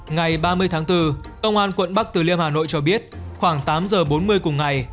ngày ba mươi tháng bốn công an quận bắc từ liêm hà nội cho biết khoảng tám giờ bốn mươi cùng ngày